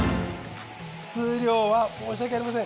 数量は申し訳ありません。